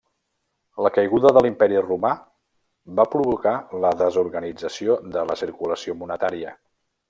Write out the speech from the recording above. La caiguda de l'Imperi Romà va provocar la desorganització de la circulació monetària.